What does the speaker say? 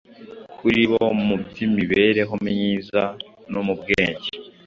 kuri bo mu by’imibereho myiza no mu bwenge,